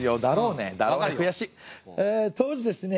当時ですね